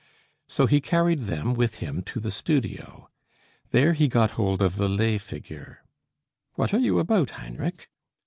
So he carried them with him to the studio. There he got hold of the lay figure. "What are you about, Heinrich?"